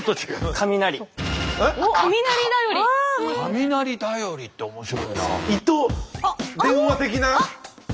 雷ダヨリって面白いな。